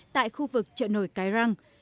tại khu vực trợ nổi cái răng